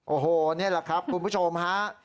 โอ้โหนี่แหละครับคุณผู้ชมฮะ